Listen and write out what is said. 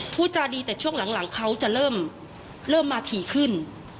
พูดจาดีแต่ช่วงหลังเขาจะเริ่มมาถี่ขึ้น